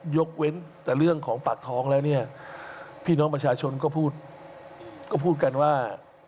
ยกเว้นแต่เรื่องของปากท้องแล้วเนี่ยพี่น้องประชาชนก็พูดก็พูดกันว่า